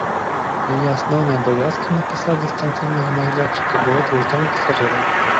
Яе асноўны абавязкам на пасадзе станцыйнага наглядчыка было прывітанне пасажыраў.